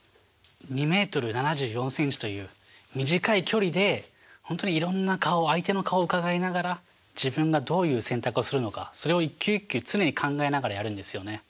２メートル７４センチという短い距離でほんとにいろんな顔相手の顔をうかがいながら自分がどういう選択をするのかそれを一球一球常に考えながらやるんですよね。